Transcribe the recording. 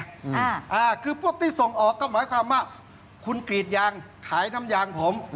อ่าอ่าคือพวกที่ส่งออกก็หมายความว่าคุณกรีดยางขายน้ำยางผม